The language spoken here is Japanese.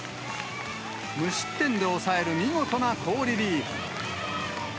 無失点で抑える見事な好リリーフ。